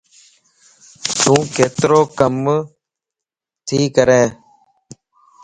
تون ڪيترو ڪم تي ڪرين؟